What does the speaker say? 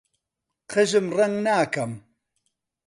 قژم ڕەنگ ناکەم.